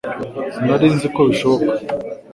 Sinari nzi ko bishoboka